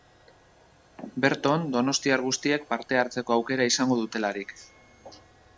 Berton, donostiar guztiek parte hartzeko aukera izango dutelarik.